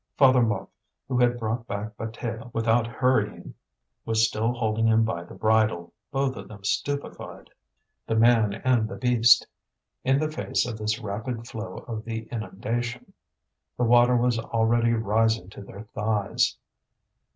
Father Mouque, who had brought back Bataille without hurrying, was still holding him by the bridle, both of them stupefied, the man and the beast, in the face of this rapid flow of the inundation. The water was already rising to their thighs.